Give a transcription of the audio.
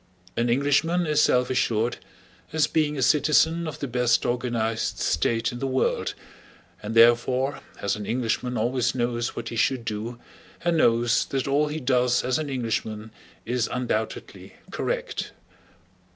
An Englishman is self assured, as being a citizen of the best organized state in the world, and therefore as an Englishman always knows what he should do and knows that all he does as an Englishman is undoubtedly correct.